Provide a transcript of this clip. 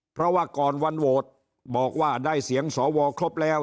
เพราะว่าก่อนวันโหวตบอกว่าได้เสียงสวครบแล้ว